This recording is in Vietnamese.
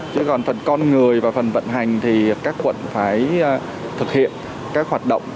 chứ còn phần con người và phần vận hành thì các quận phải thực hiện các hoạt động